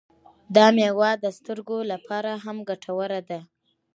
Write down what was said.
دا میوه د سترګو لپاره هم ګټوره ده.